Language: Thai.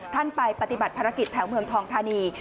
ท่านไปปฏิบัติภารกิจแถวเมืองทองธานี